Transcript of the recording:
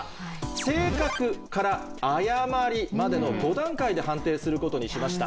「正確」から「誤り」までの５段階で判定することにしました。